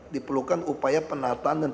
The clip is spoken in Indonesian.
diperlukan upaya penataan dan